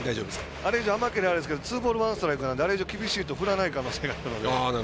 あれ以上甘いとあれですけどツーボールワンストライクなのであれ以上厳しいと振らない可能性があるので。